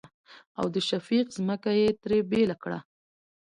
او د شفيق ځمکه يې ترې بيله کړه.